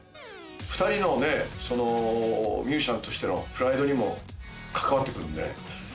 ２人のそのミュージシャンとしてのプライドにも関わって来るんで。